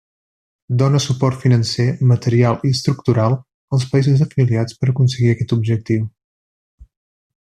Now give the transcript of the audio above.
Dóna suport financer, material, i estructural als països afiliats per aconseguir aquest objectiu.